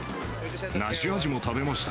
梨味も食べました。